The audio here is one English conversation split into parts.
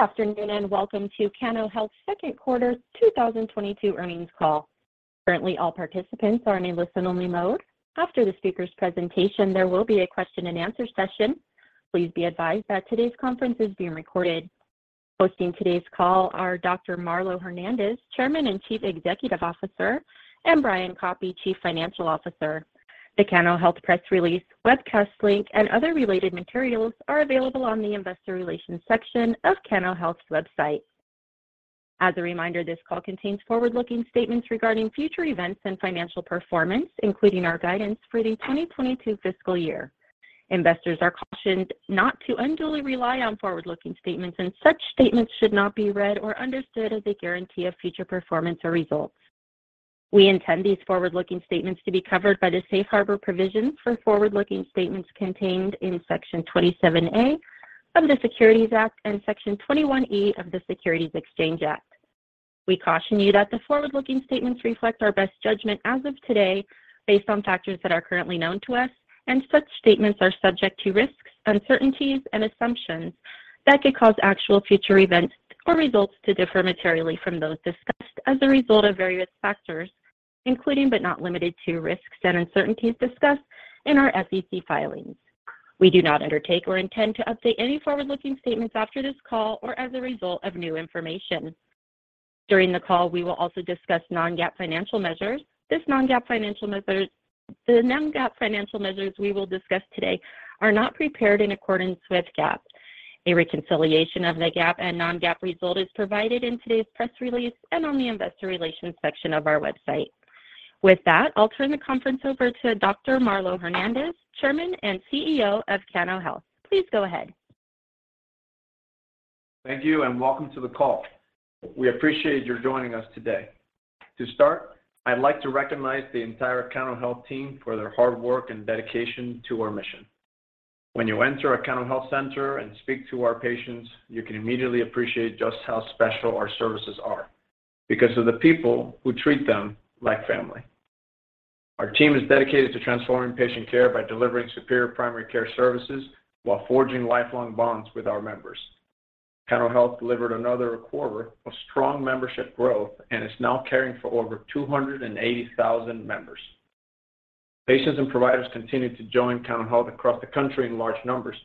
Good afternoon, and welcome to Cano Health second quarter 2022 earnings call. Currently, all participants are in a listen-only mode. After the speaker's presentation, there will be a question-and-answer session. Please be advised that today's conference is being recorded. Hosting today's call are Dr. Marlow Hernandez, Chairman and Chief Executive Officer, and Brian Koppy, Chief Financial Officer. The Cano Health press release, webcast link, and other related materials are available on the investor relations section of Cano Health's website. As a reminder, this call contains forward-looking statements regarding future events and financial performance, including our guidance for the 2022 fiscal year. Investors are cautioned not to unduly rely on forward-looking statements, and such statements should not be read or understood as a guarantee of future performance or results. We intend these forward-looking statements to be covered by the safe harbor provisions for forward-looking statements contained in Section 27A of the Securities Act and Section 21E of the Securities Exchange Act. We caution you that the forward-looking statements reflect our best judgment as of today, based on factors that are currently known to us, and such statements are subject to risks, uncertainties, and assumptions that could cause actual future events or results to differ materially from those discussed as a result of various factors, including but not limited to risks and uncertainties discussed in our SEC filings. We do not undertake or intend to update any forward-looking statements after this call or as a result of new information. During the call, we will also discuss non-GAAP financial measures. The non-GAAP financial measures we will discuss today are not prepared in accordance with GAAP. A reconciliation of the GAAP and non-GAAP result is provided in today's press release and on the investor relations section of our website. With that, I'll turn the conference over to Dr. Marlow Hernandez, Chairman and CEO of Cano Health. Please go ahead. Thank you and welcome to the call. We appreciate your joining us today. To start, I'd like to recognize the entire Cano Health team for their hard work and dedication to our mission. When you enter a Cano Health center and speak to our patients, you can immediately appreciate just how special our services are because of the people who treat them like family. Our team is dedicated to transforming patient care by delivering superior primary care services while forging lifelong bonds with our members. Cano Health delivered another quarter of strong membership growth and is now caring for over 280,000 members. Patients and providers continue to join Cano Health across the country in large numbers.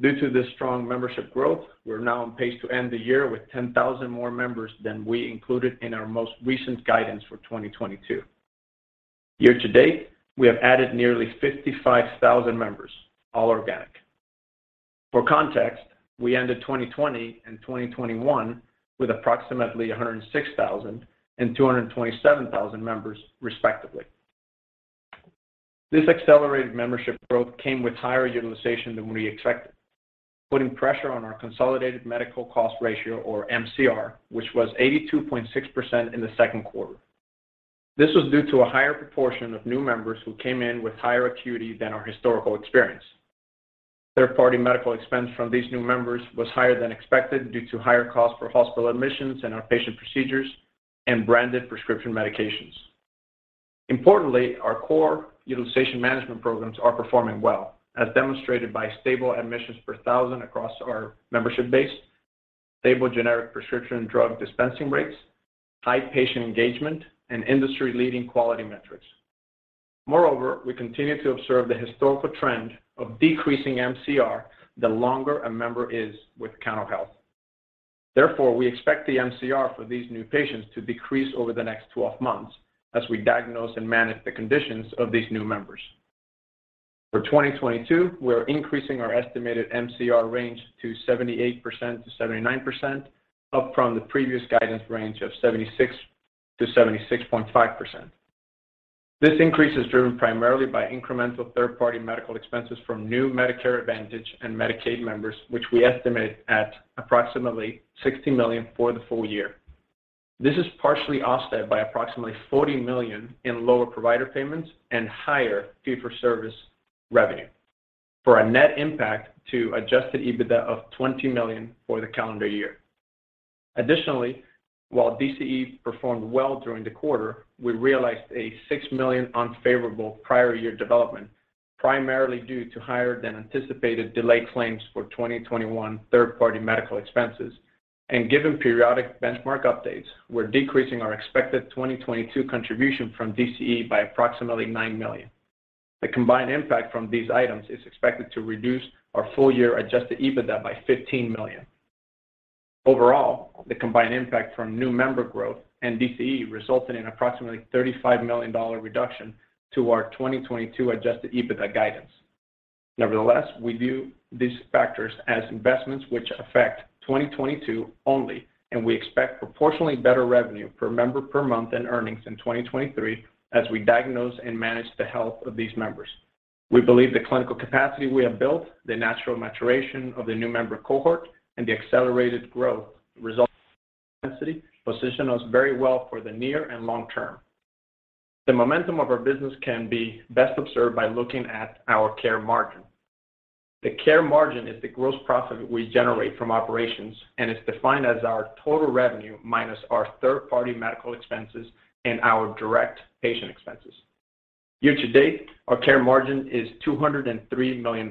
Due to this strong membership growth, we're now on pace to end the year with 10,000 more members than we included in our most recent guidance for 2022. Year-to-date, we have added nearly 55,000 members, all organic. For context, we ended 2020 and 2021 with approximately 106,000 and 227,000 members, respectively. This accelerated membership growth came with higher utilization than we expected, putting pressure on our consolidated medical cost ratio or MCR, which was 82.6% in the second quarter. This was due to a higher proportion of new members who came in with higher acuity than our historical experience. Third-party medical expense from these new members was higher than expected due to higher cost for hospital admissions and outpatient procedures and branded prescription medications. Importantly, our core utilization management programs are performing well, as demonstrated by stable admissions per thousand across our membership base, stable generic prescription drug dispensing rates, high patient engagement, and industry-leading quality metrics. Moreover, we continue to observe the historical trend of decreasing MCR the longer a member is with Cano Health. Therefore, we expect the MCR for these new patients to decrease over the next 12 months as we diagnose and manage the conditions of these new members. For 2022, we are increasing our estimated MCR range to 78%-79%, up from the previous guidance range of 76%-76.5%. This increase is driven primarily by incremental third-party medical expenses from new Medicare Advantage and Medicaid members, which we estimate at approximately $60 million for the full year. This is partially offset by approximately $40 million in lower provider payments and higher fee-for-service revenue for a net impact to adjusted EBITDA of $20 million for the calendar year. Additionally, while DCE performed well during the quarter, we realized a $6 million unfavorable prior year development, primarily due to higher than anticipated delayed claims for 2021 third party medical expenses. Given periodic benchmark updates, we're decreasing our expected 2022 contribution from DCE by approximately $9 million. The combined impact from these items is expected to reduce our full-year adjusted EBITDA by $15 million. Overall, the combined impact from new member growth and DCE resulted in approximately $35 million reduction to our 2022 adjusted EBITDA guidance. Nevertheless, we view these factors as investments which affect 2022 only, and we expect proportionally better revenue per member per month in earnings in 2023 as we diagnose and manage the health of these members. We believe the clinical capacity we have built, the natural maturation of the new member cohort, and the accelerated growth resulting position us very well for the near and long term. The momentum of our business can be best observed by looking at our care margin. The care margin is the gross profit we generate from operations, and it's defined as our total revenue minus our third-party medical expenses and our direct patient expenses. Year-to-date, our care margin is $203 million,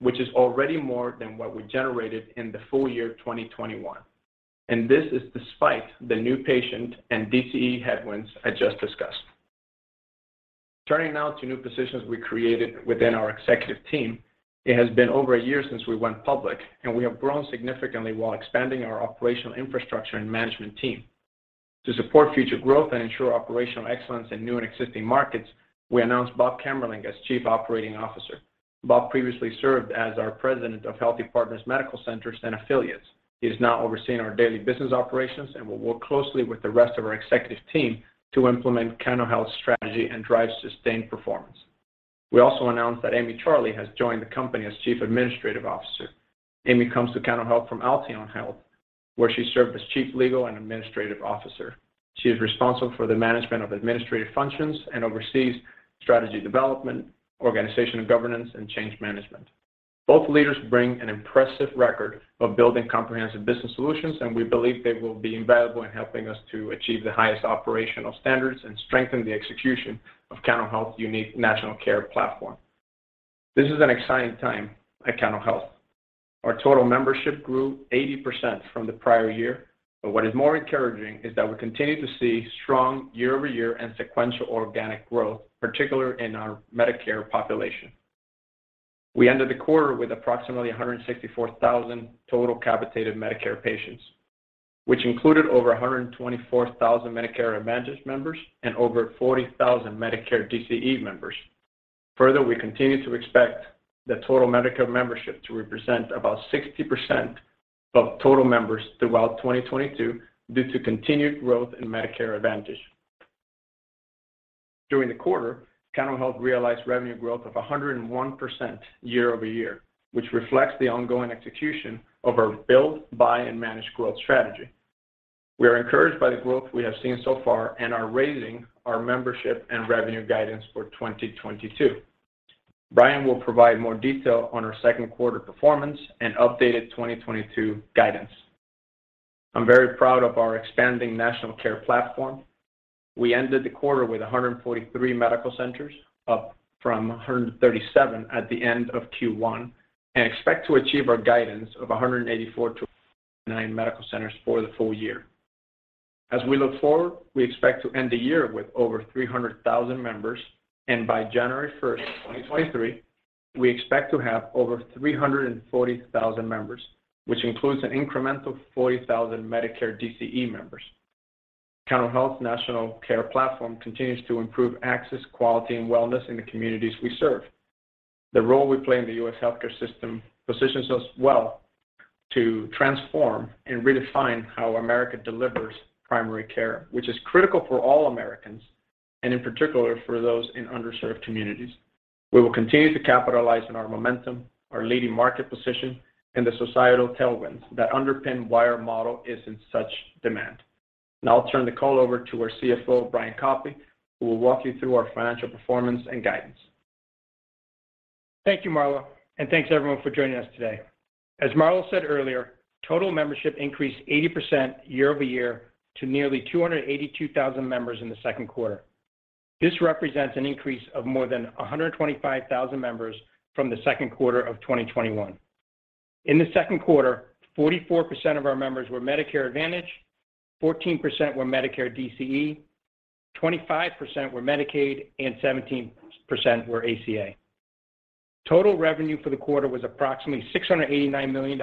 which is already more than what we generated in the full-year, 2021, and this is despite the new patient and DCE headwinds I just discussed. Turning now to new positions we created within our executive team, it has been over a year since we went public, and we have grown significantly while expanding our operational infrastructure and management team. To support future growth and ensure operational excellence in new and existing markets, we announced Bob Camerlinck as Chief Operating Officer. Bob previously served as our President of Health Partners Medical Centers and Affiliates. He is now overseeing our daily business operations and will work closely with the rest of our executive team to implement Cano Health strategy and drive sustained performance. We also announced that Amy Charley has joined the company as Chief Administrative Officer. Amy comes to Cano Health from Alteon Health, where she served as Chief Legal and Administrative Officer. She is responsible for the management of administrative functions and oversees strategy development, organization and governance, and change management. Both leaders bring an impressive record of building comprehensive business solutions, and we believe they will be invaluable in helping us to achieve the highest operational standards and strengthen the execution of Cano Health unique national care platform. This is an exciting time at Cano Health. Our total membership grew 80% from the prior year. What is more encouraging is that we continue to see strong year-over-year and sequential organic growth, particularly in our Medicare population. We ended the quarter with approximately 164,000 total capitated Medicare patients, which included over 124,000 Medicare Advantage members and over 40,000 Medicare DCE members. Further, we continue to expect the total Medicare membership to represent about 60% of total members throughout 2022 due to continued growth in Medicare Advantage. During the quarter, Cano Health realized revenue growth of 101% year-over-year, which reflects the ongoing execution of our build, buy, and manage growth strategy. We are encouraged by the growth we have seen so far and are raising our membership and revenue guidance for 2022. Brian will provide more detail on our second quarter performance and updated 2022 guidance. I'm very proud of our expanding national care platform. We ended the quarter with 143 medical centers, up from 137 at the end of Q1, and expect to achieve our guidance of 184-190 medical centers for the full-year. As we look forward, we expect to end the year with over 300,000 members, and by January 1st, 2023, we expect to have over 340,000 members, which includes an incremental 40,000 Medicare DCE members. Cano Health National Care Platform continues to improve access, quality, and wellness in the communities we serve. The role we play in the U.S. Healthcare system positions us well to transform and redefine how America delivers primary care, which is critical for all Americans, and in particular for those in underserved communities. We will continue to capitalize on our momentum, our leading market position, and the societal tailwinds that underpin why our model is in such demand. Now I'll turn the call over to our CFO, Brian Koppy, who will walk you through our financial performance and guidance. Thank you, Marlow, and thanks everyone for joining us today. As Marlow said earlier, total membership increased 80% year-over-year to nearly 282,000 members in the second quarter. This represents an increase of more than 125,000 members from the second quarter of 2021. In the second quarter, 44% of our members were Medicare Advantage, 14% were Medicare DCE, 25% were Medicaid, and 17% were ACA. Total revenue for the quarter was approximately $689 million,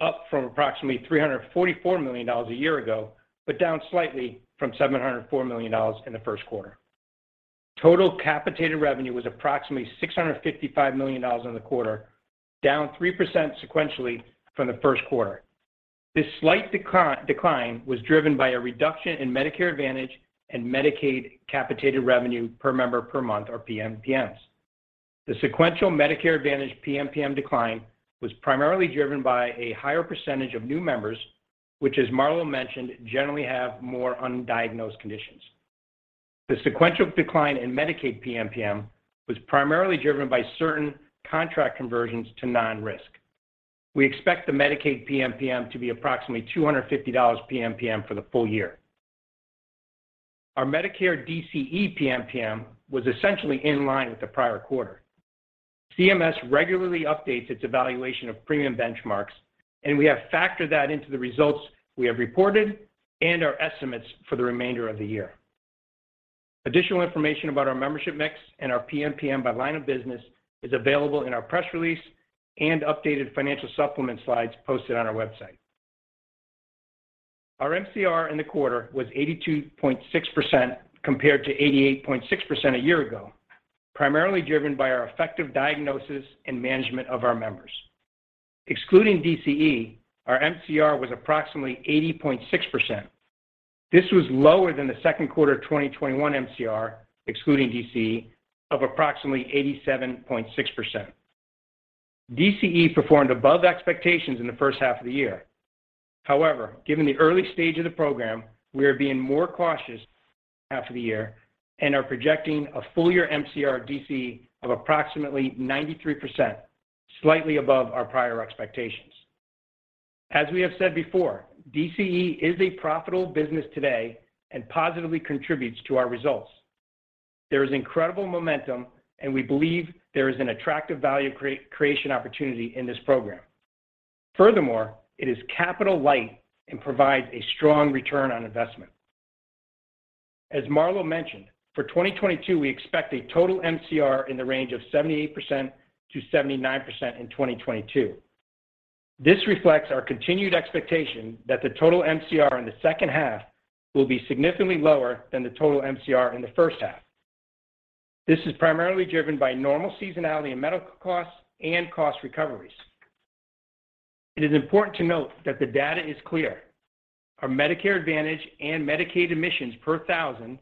up from approximately $344 million a year ago, but down slightly from $704 million in the first quarter. Total capitated revenue was approximately $655 million in the quarter, down 3% sequentially from the first quarter. This slight decline was driven by a reduction in Medicare Advantage and Medicaid capitated revenue per member per month or PMPMs. The sequential Medicare Advantage PMPM decline was primarily driven by a higher percentage of new members, which, as Marlow mentioned, generally have more undiagnosed conditions. The sequential decline in Medicaid PMPM was primarily driven by certain contract conversions to non-risk. We expect the Medicaid PMPM to be approximately $250 PMPM for the full year. Our Medicare DCE PMPM was essentially in line with the prior quarter. CMS regularly updates its evaluation of premium benchmarks, and we have factored that into the results we have reported and our estimates for the remainder of the year. Additional information about our membership mix and our PMPM by line of business is available in our press release and updated financial supplement slides posted on our website. Our MCR in the quarter was 82.6% compared to 88.6% a year ago, primarily driven by our effective diagnosis and management of our members. Excluding DCE, our MCR was approximately 80.6%. This was lower than the second quarter of 2021 MCR, excluding DCE, of approximately 87.6%. DCE performed above expectations in the first half of the year. However, given the early stage of the program, we are being more cautious in the second half of the year and are projecting a full-year MCR DCE of approximately 93%, slightly above our prior expectations. As we have said before, DCE is a profitable business today and positively contributes to our results. There is incredible momentum, and we believe there is an attractive value creation opportunity in this program. Furthermore, it is capital light and provides a strong return on investment. As Marlow mentioned, for 2022, we expect a total MCR in the range of 78%-79% in 2022. This reflects our continued expectation that the total MCR in the second half will be significantly lower than the total MCR in the first half. This is primarily driven by normal seasonality in medical costs and cost recoveries. It is important to note that the data is clear. Our Medicare Advantage and Medicaid admissions per thousand,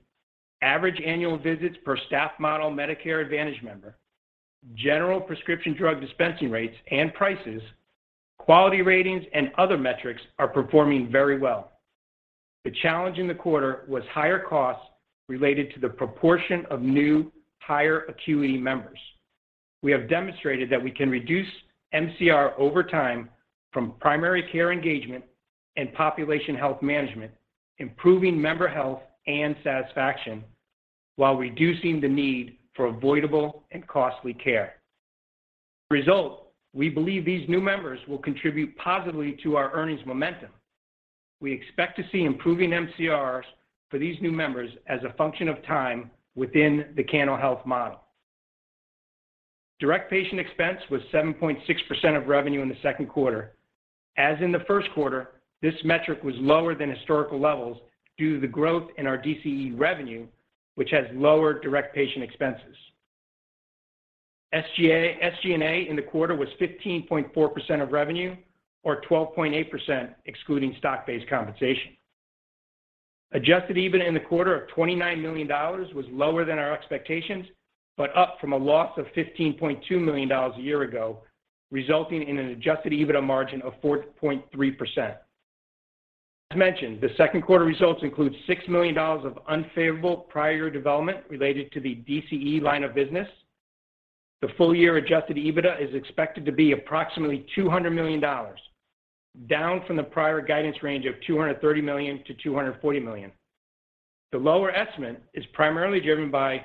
average annual visits per staff model Medicare Advantage member, general prescription drug dispensing rates and prices, quality ratings, and other metrics are performing very well. The challenge in the quarter was higher costs related to the proportion of new higher acuity members. We have demonstrated that we can reduce MCR over time from primary care engagement and population health management, improving member health and satisfaction while reducing the need for avoidable and costly care. As a result, we believe these new members will contribute positively to our earnings momentum. We expect to see improving MCRs for these new members as a function of time within the Cano Health model. Direct patient expense was 7.6% of revenue in the second quarter. As in the first quarter, this metric was lower than historical levels due to the growth in our DCE revenue, which has lower direct patient expenses. SG&A in the quarter was 15.4% of revenue, or 12.8% excluding stock-based compensation. Adjusted EBITDA in the quarter of $29 million was lower than our expectations, but up from a loss of $15.2 million a year ago, resulting in an adjusted EBITDA margin of 4.3%. As mentioned, the second quarter results include $6 million of unfavorable prior year development related to the DCE line of business. The full-year adjusted EBITDA is expected to be approximately $200 million, down from the prior guidance range of $230 million-$240 million. The lower estimate is primarily driven by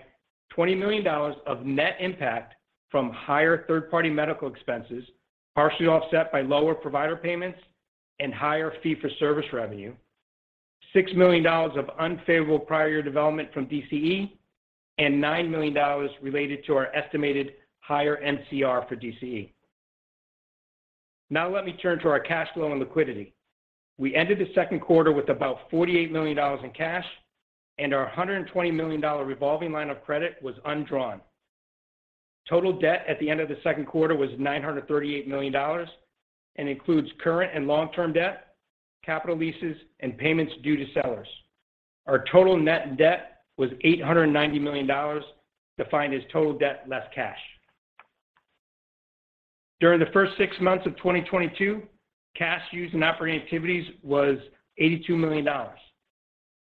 $20 million of net impact from higher third-party medical expenses, partially offset by lower provider payments and higher fee-for-service revenue, $6 million of unfavorable prior year development from DCE, and $9 million related to our estimated higher MCR for DCE. Now let me turn to our cash flow and liquidity. We ended the second quarter with about $48 million in cash, and our $120 million revolving line of credit was undrawn. Total debt at the end of the second quarter was $938 million and includes current and long-term debt, capital leases, and payments due to sellers. Our total net debt was $890 million, defined as total debt less cash. During the first six months of 2022, cash used in operating activities was $82 million.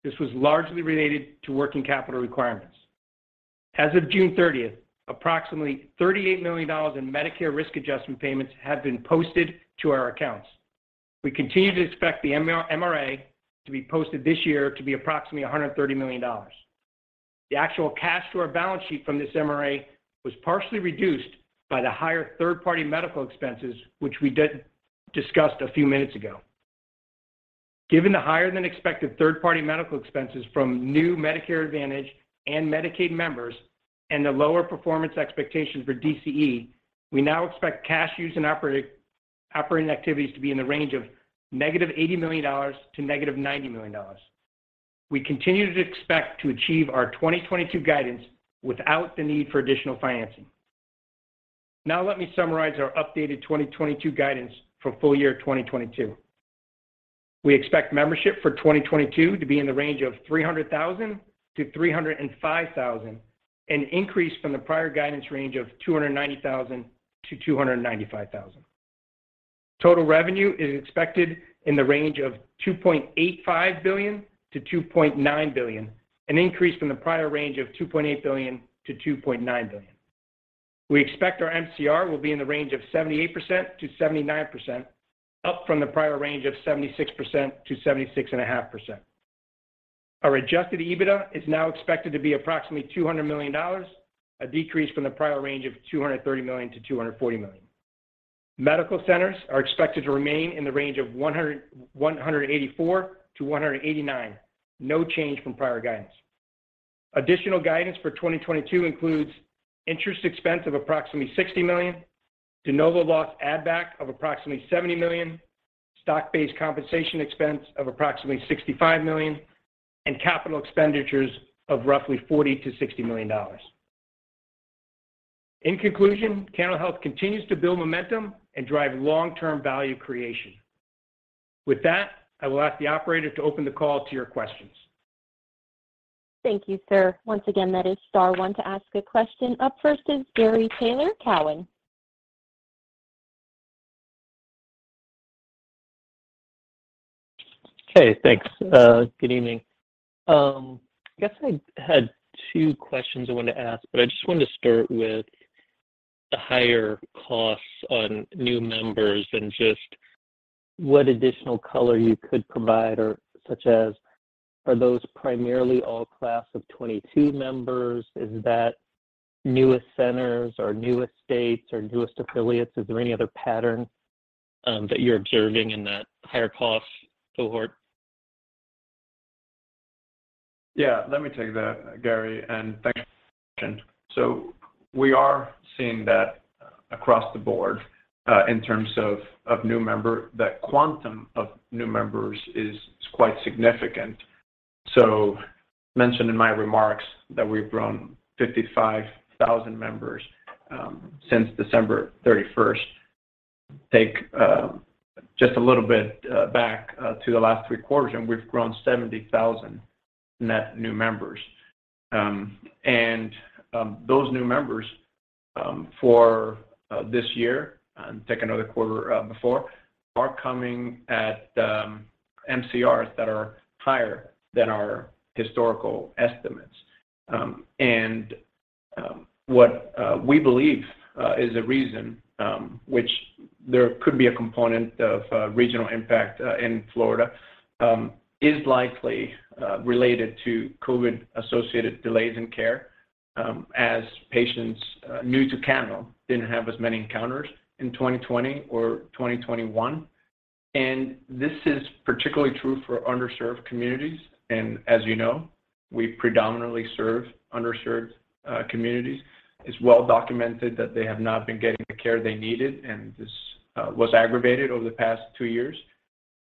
This was largely related to working capital requirements. As of June 30th, approximately $38 million in Medicare Risk adjustment payments have been posted to our accounts. We continue to expect the MRA to be posted this year to be approximately $130 million. The actual cash to our balance sheet from this MRA was partially reduced by the higher third-party medical expenses, which we discussed a few minutes ago. Given the higher than expected third-party medical expenses from new Medicare Advantage and Medicaid members and the lower performance expectations for DCE, we now expect cash used in operating activities to be in the range of -$80 million to -$90 million. We continue to expect to achieve our 2022 guidance without the need for additional financing. Now let me summarize our updated 2022 guidance for full year 2022. We expect membership for 2022 to be in the range of 300,000-305,000, an increase from the prior guidance range of 290,000-295,000. Total revenue is expected in the range of $2.85 billion-$2.9 billion, an increase from the prior range of $2.8 billion-$2.9 billion. We expect our MCR will be in the range of 78%-79%, up from the prior range of 76%-76.5%. Our adjusted EBITDA is now expected to be approximately $200 million, a decrease from the prior range of $230 million-$240 million. Medical centers are expected to remain in the range of 184-189, no change from prior guidance. Additional guidance for 2022 includes interest expense of approximately $60 million, de novo loss add back of approximately $70 million, stock-based compensation expense of approximately $65 million, and capital expenditures of roughly $40 million-$60 million. In conclusion, Cano Health continues to build momentum and drive long-term value creation. With that, I will ask the operator to open the call to your questions. Thank you, sir. Once again, that is star one to ask a question. Up first is Gary Taylor, Cowen. Okay, thanks. Good evening. I guess I had two questions I wanted to ask, but I just wanted to start with the higher costs on new members and just what additional color you could provide or such as are those primarily all class of 2022 members? Is that newest centers or newest states or newest affiliates? Is there any other pattern that you're observing in that higher cost cohort? Yeah. Let me take that, Gary, and thanks for the question. We are seeing that across the board in terms of new member. That quantum of new members is quite significant. Mentioned in my remarks that we've grown 55,000 members since December 31st. Take just a little bit back to the last three quarters, and we've grown 70,000 net new members. Those new members for this year, and take another quarter before, are coming at MCRs that are higher than our historical estimates. What we believe is a reason which there could be a component of regional impact in Florida is likely related to COVID-associated delays in care, as patients new to Cano didn't have as many encounters in 2020 or 2021. This is particularly true for underserved communities. As you know, we predominantly serve underserved communities. It's well documented that they have not been getting the care they needed, and this was aggravated over the past two years.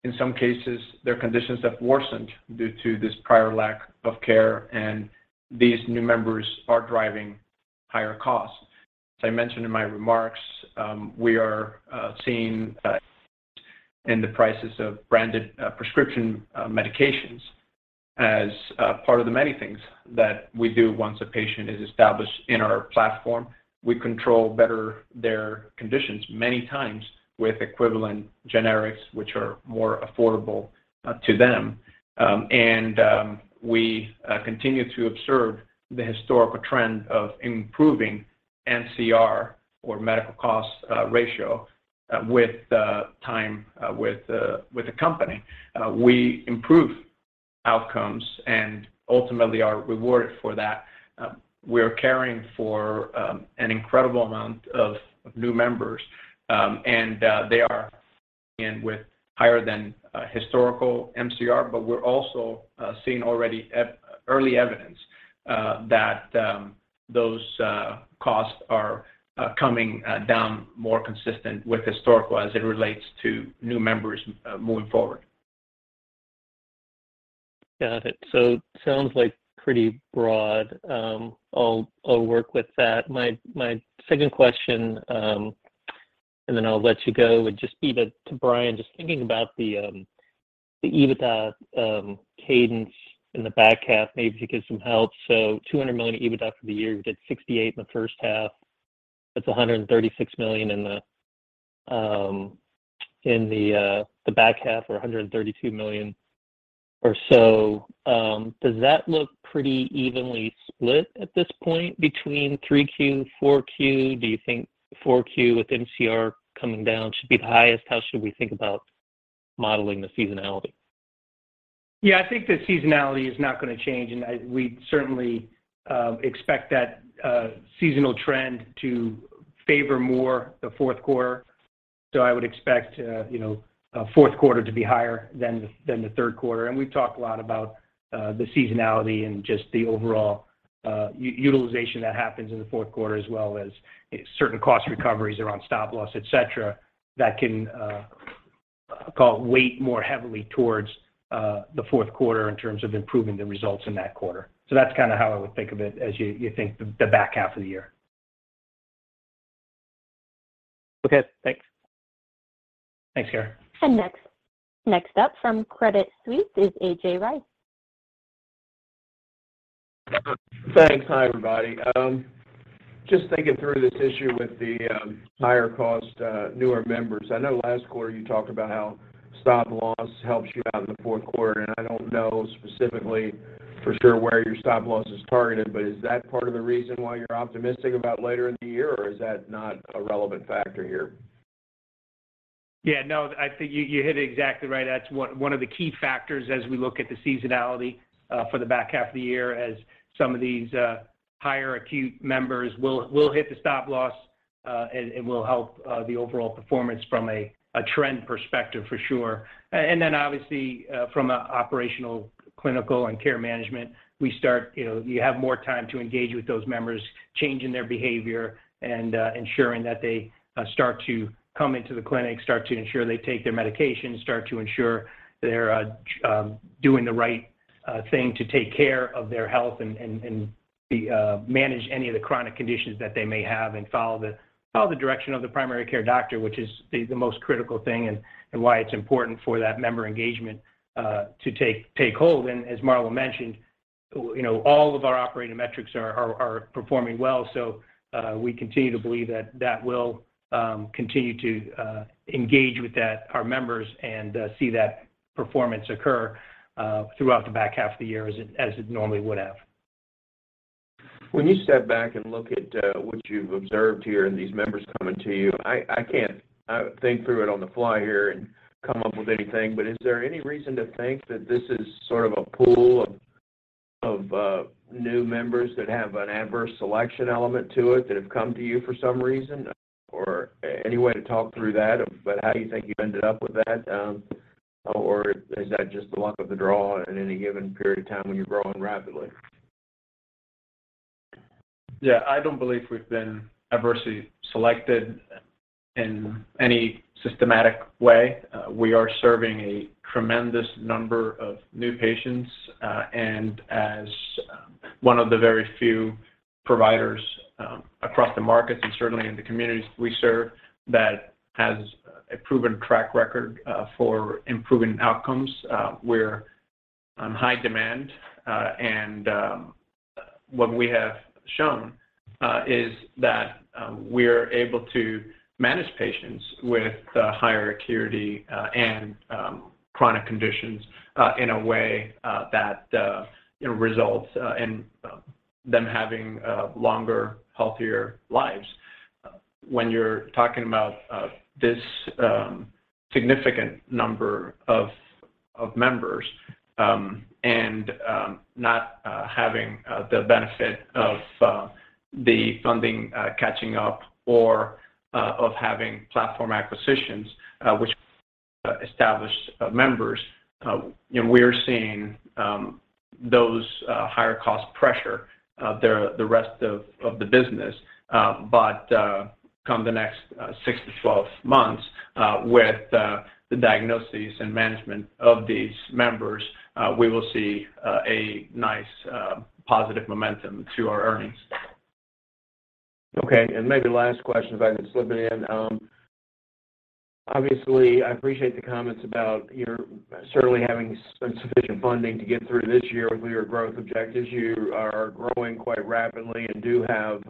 In some cases, their conditions have worsened due to this prior lack of care, and these new members are driving higher costs. As I mentioned in my remarks, we are seeing savings in the prices of branded prescription medications as part of the many things that we do once a patient is established in our platform. We control better their conditions many times with equivalent generics, which are more affordable to them. We continue to observe the historical trend of improving MCR or medical cost ratio over time with the company. We improve outcomes and ultimately are rewarded for that. We're caring for an incredible amount of new members, and they are coming in with higher than historical MCR. We're also seeing already early evidence that those costs are coming down more consistent with historical as it relates to new members moving forward. Got it. Sounds like pretty broad. I'll work with that. My second question, and then I'll let you go, would just be to Brian, just thinking about the EBITDA cadence in the back half. Maybe if you could some help. $200 million EBITDA for the year. We did $68 million in the first half. That's $136 million in the back half, or $132 million or so. Does that look pretty evenly split at this point between 3Q, 4Q? Do you think 4Q with MCR coming down should be the highest? How should we think about modeling the seasonality? Yeah. I think the seasonality is not gonna change, and we certainly expect that seasonal trend to favor more the fourth quarter. I would expect, you know, fourth quarter to be higher than the third quarter. We've talked a lot about the seasonality and just the overall utilization that happens in the fourth quarter, as well as certain cost recoveries around stop loss, et cetera, that can weigh more heavily towards the fourth quarter in terms of improving the results in that quarter. That's kinda how I would think of it as you think the back half of the year. Okay. Thanks. Thanks, Gary. Next up from Credit Suisse is A.J. Rice. Thanks. Hi, everybody. Just thinking through this issue with the higher cost newer members. I know last quarter you talked about how stop loss helps you out in the fourth quarter, and I don't know specifically for sure where your stop loss is targeted. Is that part of the reason why you're optimistic about later in the year, or is that not a relevant factor here? Yeah. No. I think you hit it exactly right. That's one of the key factors as we look at the seasonality for the back half of the year, as some of these higher acute members will hit the stop loss and will help the overall performance from a trend perspective for sure. Then obviously, from an operational, clinical, and care management, we start, you know, you have more time to engage with those members, changing their behavior and ensuring that they start to come into the clinic, start to ensure they take their medication, start to ensure they're doing the right thing to take care of their health and manage any of the chronic conditions that they may have and follow the direction of the primary care doctor, which is the most critical thing and why it's important for that member engagement to take hold. As Marlow mentioned. You know, all of our operating metrics are performing well. We continue to believe that will continue to engage with that, our members and see that performance occur throughout the back half of the year as it normally would have. When you step back and look at what you've observed here and these members coming to you, I can't think through it on the fly here and come up with anything. Is there any reason to think that this is sort of a pool of new members that have an adverse selection element to it that have come to you for some reason? Any way to talk through that about how you think you ended up with that? Is that just the luck of the draw in any given period of time when you're growing rapidly? Yeah. I don't believe we've been adversely selected in any systematic way. We are serving a tremendous number of new patients, and as one of the very few providers across the markets and certainly in the communities we serve that has a proven track record for improving outcomes, we're on high demand. What we have shown is that we're able to manage patients with higher acuity and chronic conditions in a way that you know results in them having longer, healthier lives. When you're talking about this significant number of members and not having the benefit of the funding catching up or of having platform acquisitions which establish members, you know, we're seeing those higher cost pressure the rest of the business. Come the next six to 12 months, with the diagnoses and management of these members, we will see a nice positive momentum to our earnings. Okay. Maybe last question, if I can slip it in. Obviously, I appreciate the comments about your certainly having sufficient funding to get through this year with your growth objectives. You are growing quite rapidly and do have,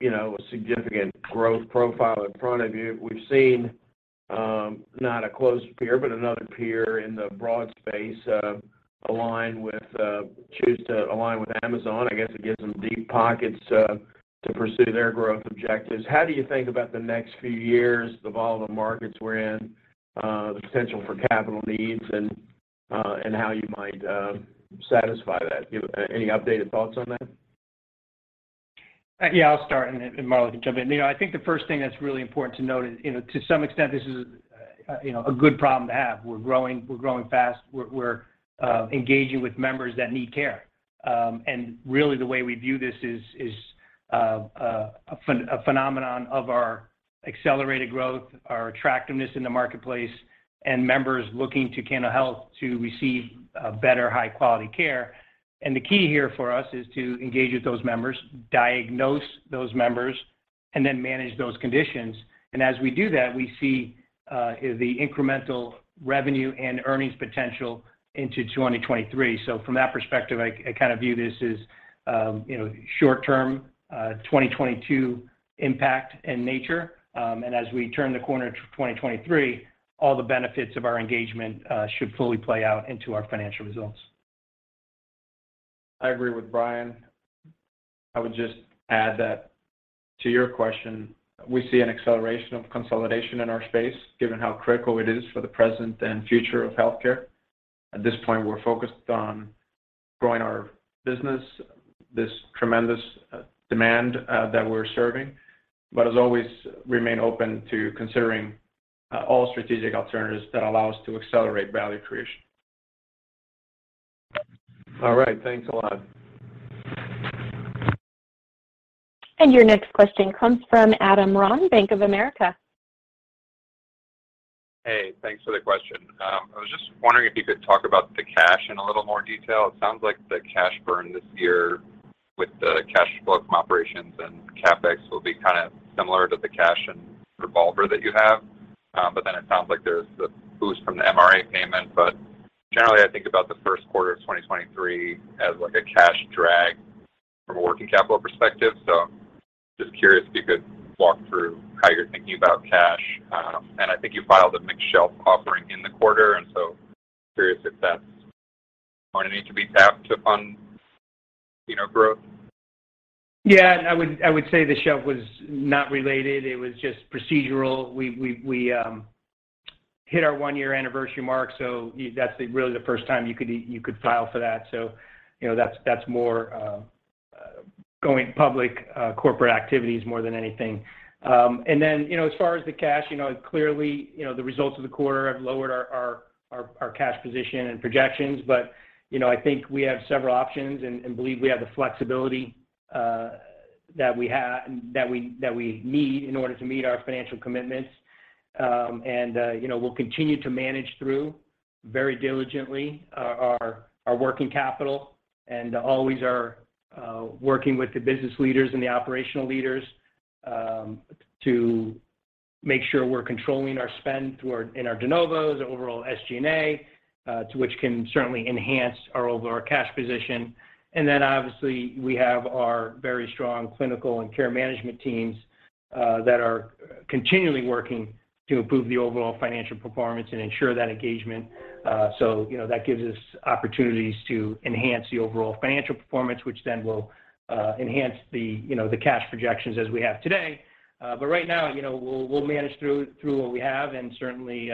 you know, a significant growth profile in front of you. We've seen, not a close peer, but another peer in the broad space, choose to align with Amazon. I guess it gives them deep pockets to pursue their growth objectives. How do you think about the next few years of all the markets we're in, the potential for capital needs and how you might satisfy that? Do you have any updated thoughts on that? Yeah, I'll start, and then Marlow can jump in. You know, I think the first thing that's really important to note is, you know, to some extent, this is a good problem to have. We're growing, we're growing fast. We're engaging with members that need care. Really the way we view this is a phenomenon of our accelerated growth, our attractiveness in the marketplace, and members looking to Cano Health to receive better high-quality care. The key here for us is to engage with those members, diagnose those members, and then manage those conditions. As we do that, we see the incremental revenue and earnings potential into 2023. From that perspective, I kind of view this as short-term 2022 impact and nature. As we turn the corner to 2023, all the benefits of our engagement should fully play out into our financial results. I agree with Brian. I would just add that to your question, we see an acceleration of consolidation in our space, given how critical it is for the present and future of healthcare. At this point, we're focused on growing our business, this tremendous demand that we're serving, but as always, remain open to considering all strategic alternatives that allow us to accelerate value creation. All right. Thanks a lot. Your next question comes from Adam Ron, Bank of America. Hey, thanks for the question. I was just wondering if you could talk about the cash in a little more detail. It sounds like the cash burn this year with the cash flow from operations and CapEx will be kinda similar to the cash and revolver that you have. But then it sounds like there's the boost from the MRA payment. Generally, I think about the first quarter of 2023 as like a cash drag from a working capital perspective. Just curious if you could walk through how you're thinking about cash. I think you filed a mixed shelf offering in the quarter, and so curious if that's going to need to be tapped to fund, you know, growth. Yeah. I would say the shelf was not related. It was just procedural. We hit our one-year anniversary mark, so that's really the first time you could file for that. You know, that's more going public corporate activities more than anything. You know, as far as the cash, you know, clearly, you know, the results of the quarter have lowered our cash position and projections. You know, I think we have several options and believe we have the flexibility that we need in order to meet our financial commitments. You know, we'll continue to manage through very diligently our working capital and always are working with the business leaders and the operational leaders. to Make sure we're controlling our spend through our de novos, overall SG&A, which can certainly enhance our overall cash position. Then obviously, we have our very strong clinical and care management teams that are continually working to improve the overall financial performance and ensure that engagement. You know, that gives us opportunities to enhance the overall financial performance, which then will enhance the cash projections as we have today. Right now, you know, we'll manage through what we have and certainly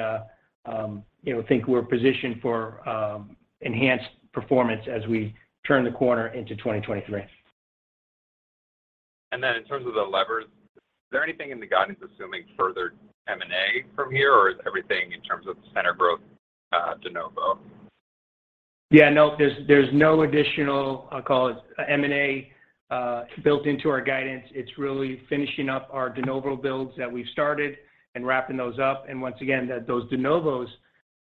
think we're positioned for enhanced performance as we turn the corner into 2023. In terms of the levers, is there anything in the guidance assuming further M&A from here, or is everything in terms of the center growth, de novo? Yeah, no, there's no additional, I'll call it M&A, built into our guidance. It's really finishing up our de novo builds that we've started and wrapping those up. Once again, those de novos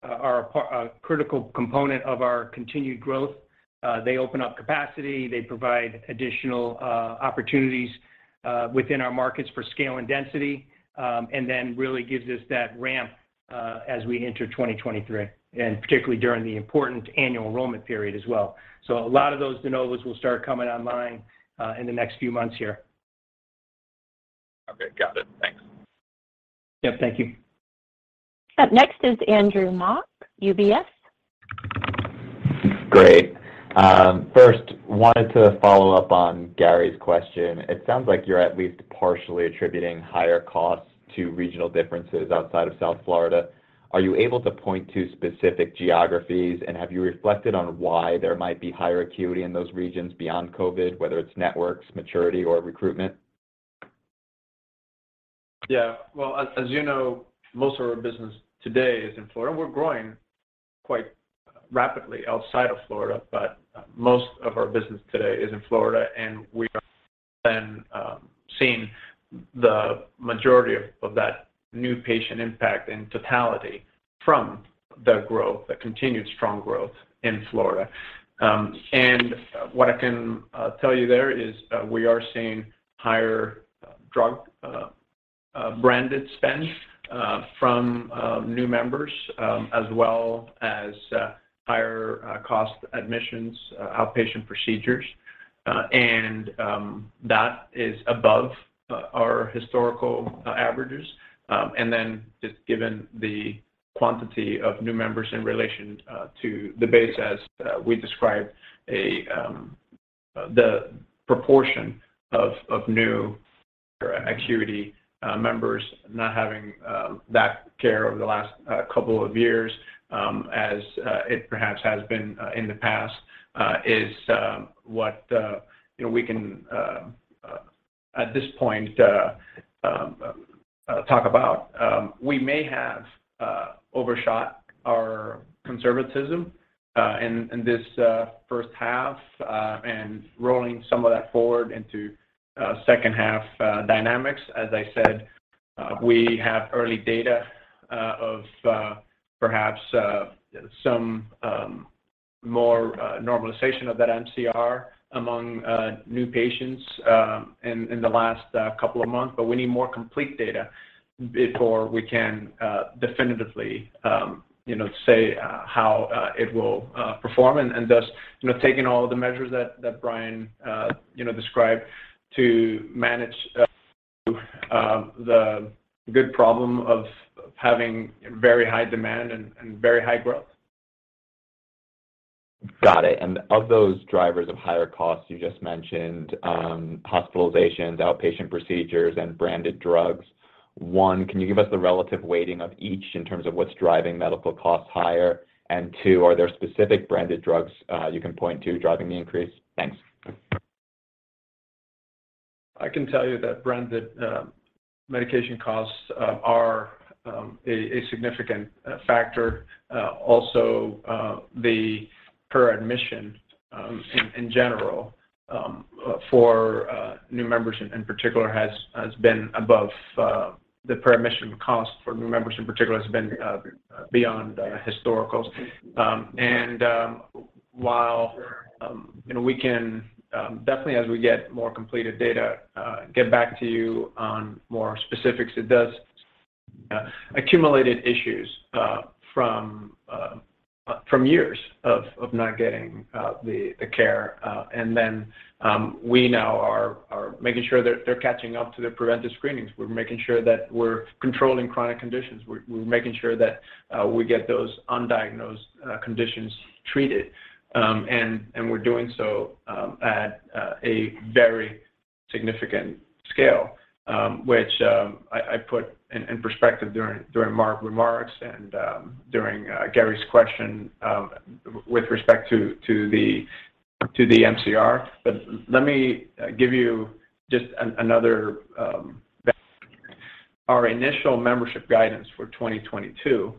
are a critical component of our continued growth. They open up capacity, they provide additional opportunities within our markets for scale and density, and then really gives us that ramp as we enter 2023, and particularly during the important annual enrollment period as well. A lot of those de novos will start coming online in the next few months here. Okay. Got it. Thanks. Yep. Thank you. Up next is Andrew Mok, UBS. Great. First, wanted to follow up on Gary's question. It sounds like you're at least partially attributing higher costs to regional differences outside of South Florida. Are you able to point to specific geographies, and have you reflected on why there might be higher acuity in those regions beyond COVID, whether it's networks, maturity, or recruitment? Yeah. Well, as you know, most of our business today is in Florida. We're growing quite rapidly outside of Florida, but most of our business today is in Florida, and we are then seeing the majority of that new patient impact in totality from the growth, the continued strong growth in Florida. What I can tell you there is, we are seeing higher drug branded spend from new members, as well as higher cost admissions, outpatient procedures. That is above our historical averages. Just given the quantity of new members in relation to the base as we described, the proportion of new acuity members not having that care over the last couple of years, as it perhaps has been in the past, is what you know we can at this point talk about. We may have overshot our conservatism in this first half and rolling some of that forward into second half dynamics. As I said, we have early data of perhaps some more normalization of that MCR among new patients in the last couple of months. We need more complete data before we can definitively, you know, say how it will perform. Thus, you know, taking all of the measures that Brian you know described to manage the good problem of having very high demand and very high growth. Got it. Of those drivers of higher costs you just mentioned, hospitalizations, outpatient procedures, and branded drugs, one, can you give us the relative weighting of each in terms of what's driving medical costs higher? Two, are there specific branded drugs you can point to driving the increase? Thanks. I can tell you that branded medication costs are a significant factor. Also, the per admission cost in general for new members in particular has been above and beyond historicals. While you know, we can definitely as we get more completed data get back to you on more specifics. It does accumulated issues from years of not getting the care. Then, we now are making sure they're catching up to their preventive screenings. We're making sure that we're controlling chronic conditions. We're making sure that we get those undiagnosed conditions treated. We're doing so at a very significant scale, which I put in perspective during Mark's remarks and during Gary's question, with respect to the MCR. Let me give you just another our initial membership guidance for 2022,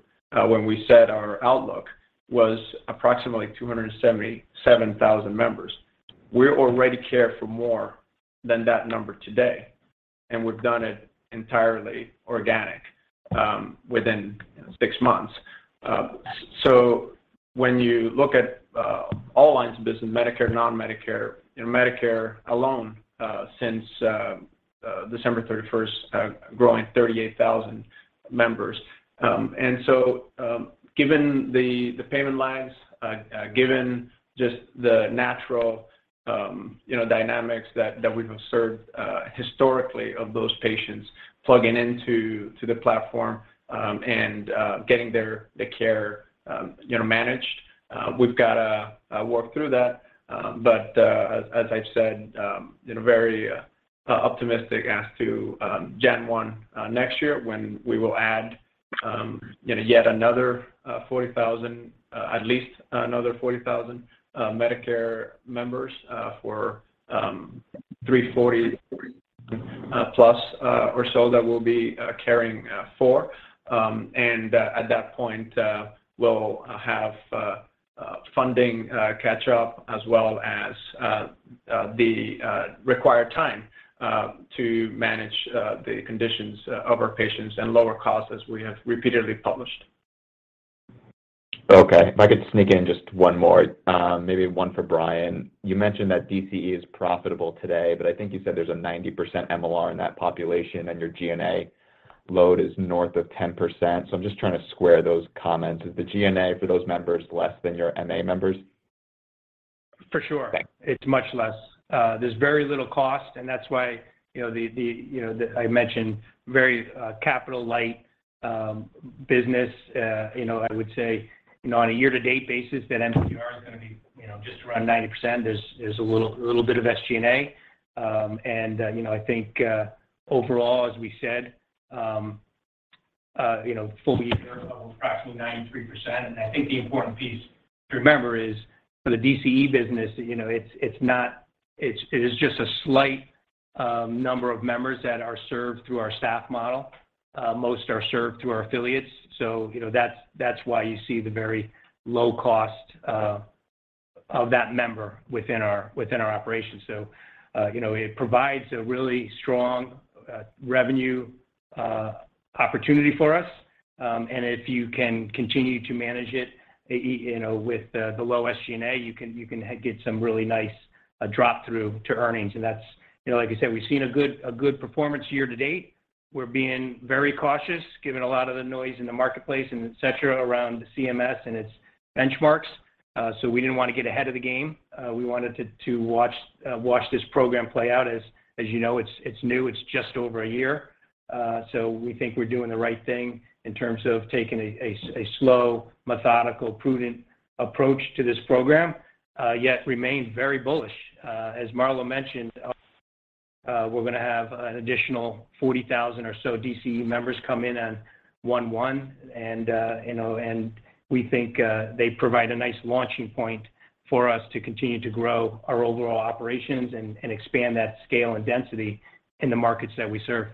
when we set our outlook was approximately 277,000 members. We already care for more than that number today, and we've done it entirely organic within six months. When you look at all lines of business, Medicare, non-Medicare, you know, Medicare alone, since December 31st, growing 38,000 members. Given just the natural, you know, dynamics that we have served historically of those patients plugging into the platform and getting their care, you know, managed, we've got to work through that. As I've said, you know, very optimistic as to January 1 next year when we will add at least another 40,000 Medicare members for 340+ or so that we'll be caring for. At that point, we'll have funding catch up as well as the required time to manage the conditions of our patients and lower costs as we have repeatedly published. Okay. If I could sneak in just one more, maybe one for Brian. You mentioned that DCE is profitable today, but I think you said there's a 90% MLR in that population, and your G&A load is north of 10%. I'm just trying to square those comments. Is the G&A for those members less than your MA members? For sure. Okay. It's much less. There's very little cost, and that's why, you know, I mentioned very capital light business. You know, I would say, you know, on a year-to-date basis, that MLR is gonna be, you know, just around 90%. There's a little bit of SG&A. You know, I think overall, as we said, you know, full-year of approximately 93%. I think the important piece to remember is for the DCE business, you know, it is just a slight number of members that are served through our staff model. Most are served through our affiliates. You know, that's why you see the very low cost of that member within our operations. It provides a really strong revenue opportunity for us. If you can continue to manage it, you know, with the low SG&A, you can get some really nice drop through to earnings. That's, you know, like I said, we've seen a good performance year-to-date. We're being very cautious given a lot of the noise in the marketplace and et cetera around CMS and its benchmarks. We didn't wanna get ahead of the game. We wanted to watch this program play out. As you know, it's new. It's just over a year. We think we're doing the right thing in terms of taking a slow, methodical, prudent approach to this program, yet remain very bullish. As Marlow mentioned, we're gonna have an additional 40,000 or so DCE members come in on 1/1, and you know, and we think they provide a nice launching point for us to continue to grow our overall operations and expand that scale and density in the markets that we serve.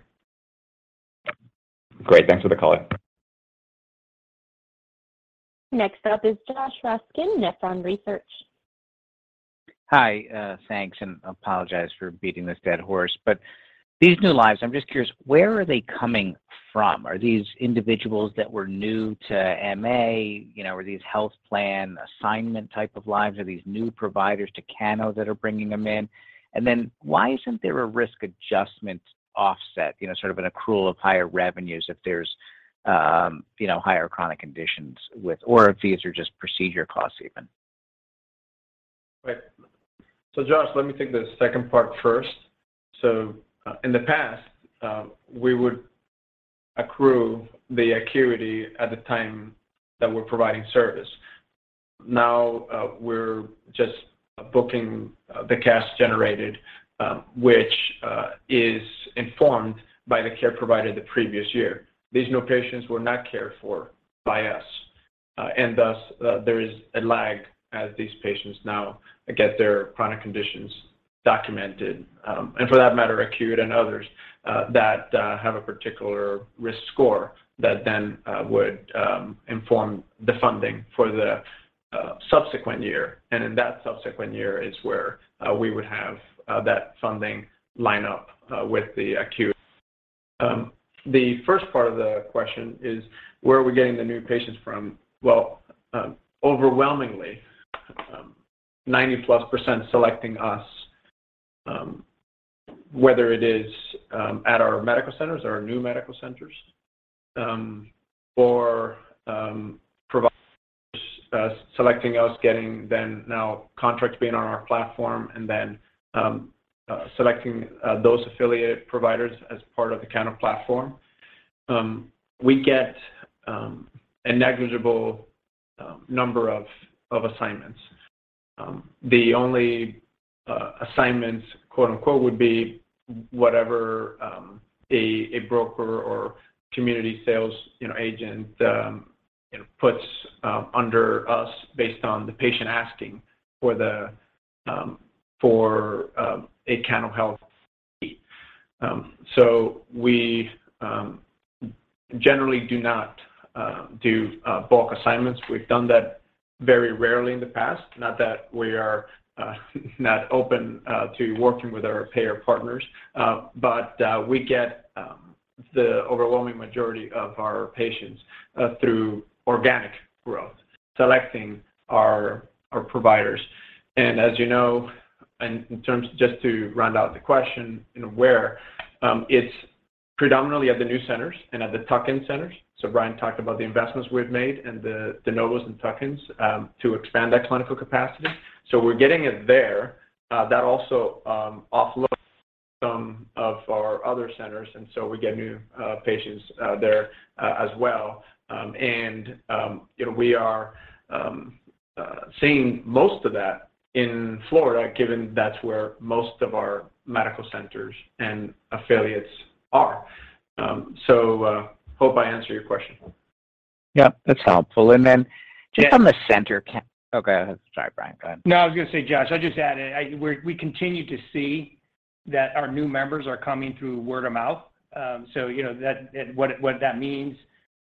Great. Thanks for the color. Next up is Josh Raskin, Nephron Research. Hi, thanks, and apologize for beating this dead horse. These new lives, I'm just curious, where are they coming from? Are these individuals that were new to MA? You know, are these health plan assignment type of lives? Are these new providers to Cano that are bringing them in? Then why isn't there a risk adjustment offset, you know, sort of an accrual of higher revenues if there's, you know, higher chronic conditions with, or if these are just procedure costs even? Right. Josh, let me take the second part first. In the past, we would accrue the acuity at the time that we're providing service. Now, we're just booking the cash generated, which is informed by the care provided the previous year. These new patients were not cared for by us, and thus, there is a lag as these patients now get their chronic conditions documented, and for that matter, acute and others, that have a particular risk score that then would inform the funding for the subsequent year. In that subsequent year is where we would have that funding line up with the acute. The first part of the question is, where are we getting the new patients from? Well, overwhelmingly, 90%+ selecting us, whether it is at our medical centers, our new medical centers, or providers selecting us, getting them now contracts being on our platform and then selecting those affiliate providers as part of the kind of platform. We get a negligible number of assignments. The only assignments, quote-unquote, would be whatever a broker or community sales, you know, agent, you know, puts under us based on the patient asking for a Cano Health fee. We generally do not do bulk assignments. We've done that very rarely in the past, not that we are not open to working with our payer partners, but we get the overwhelming majority of our patients through organic growth, selecting our providers. As you know, just to round out the question, you know, where it's predominantly at the new centers and at the tuck-in centers. Brian talked about the investments we've made in the de novos and tuck-ins to expand that clinical capacity. We're getting it there. That also offload some of our other centers, and so we get new patients there as well. You know, we are seeing most of that in Florida, given that's where most of our medical centers and affiliates are. Hope I answered your question. Yeah. That's helpful. Yeah. Okay, sorry, Brian, go ahead. No, I was gonna say, Josh, I just add in. We continue to see that our new members are coming through word of mouth. You know, what that means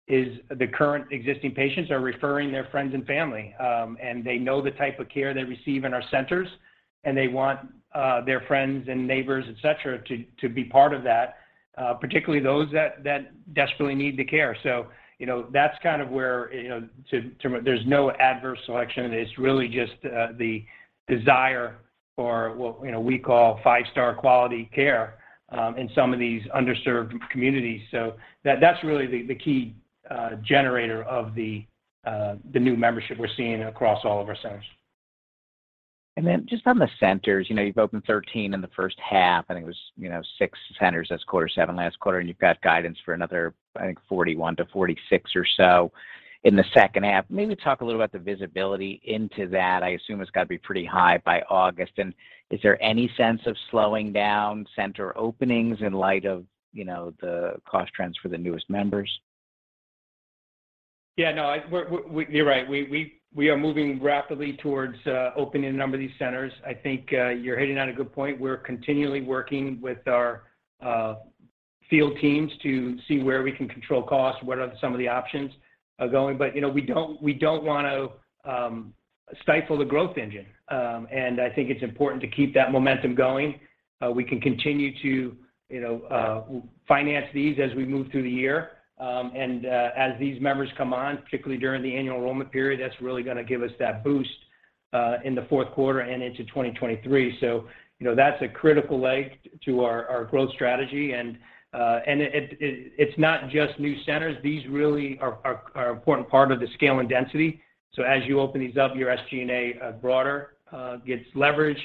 is the current existing patients are referring their friends and family, and they know the type of care they receive in our centers, and they want their friends and neighbors, et cetera, to be part of that, particularly those that desperately need the care. You know, that's kind of where. There's no adverse selection. It's really just the desire for what, you know, we call five-star quality care in some of these underserved communities. That's really the key generator of the new membership we're seeing across all of our centers. Just on the centers, you know, you've opened 13 in the first half, and it was, you know, six centers this quarter, seven last quarter, and you've got guidance for another, I think 41-46 or so in the second half. Maybe talk a little about the visibility into that. I assume it's gotta be pretty high by August. Is there any sense of slowing down center openings in light of, you know, the cost trends for the newest members? Yeah, no. You're right. We are moving rapidly towards opening a number of these centers. I think you're hitting on a good point. We're continually working with our field teams to see where we can control costs, what are some of the options going. You know, we don't wanna stifle the growth engine. I think it's important to keep that momentum going. We can continue to, you know, finance these as we move through the year. As these members come on, particularly during the annual enrollment period, that's really gonna give us that boost in the fourth quarter and into 2023. You know, that's a critical leg to our growth strategy. It's not just new centers. These really are an important part of the scale and density. As you open these up, your SG&A broader gets leverage.